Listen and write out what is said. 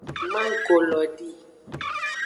Manggo lo di.